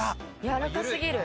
やわらかすぎる。